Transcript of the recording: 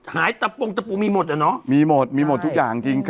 ตะปงตะปูมีหมดอ่ะเนอะมีหมดมีหมดทุกอย่างจริง